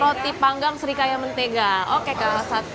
roti panggang serikaya mentega oke ke satu